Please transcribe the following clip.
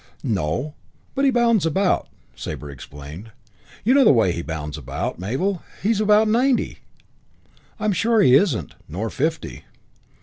"No, but he bounds about," Sabre explained. "You know the way he bounds about, Mabel. He's about ninety " "I'm sure he isn't, nor fifty."